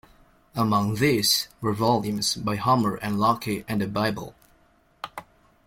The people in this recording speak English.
Among these were volumes by Homer and Locke and the Bible.